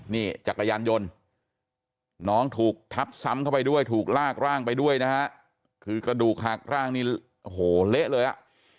นี่จักรยานยนต์น้องถูกทับซ้ำเข้าไปด้วยถูกลากร่างไปด้วยนะฮะคือกระดูกหักร่างนี่โอ้โหเละเลยอ่ะ